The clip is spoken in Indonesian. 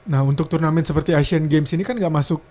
nah untuk turnamen seperti asian games ini kan gak masuk